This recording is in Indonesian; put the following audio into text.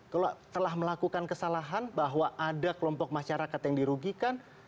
kalau telah melakukan kesalahan bahwa ada kelompok masyarakat yang dirugikan